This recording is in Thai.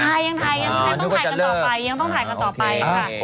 ใช่ยังถ่ายยังต้องถ่ายกันต่อไป